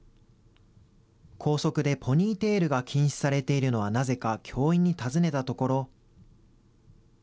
校則でポニーテールが禁止されているのはなぜか教員に尋ねたところ。